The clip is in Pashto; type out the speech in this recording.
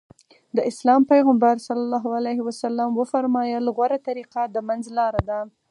د اسلام پيغمبر ص وفرمايل غوره طريقه د منځ لاره ده.